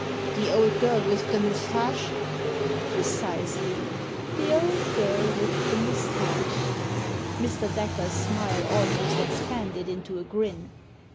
"The old girl with the moustache?" * Precisely — the old girl with the moustache." Mr. Dacre's smile almost expanded into a grin.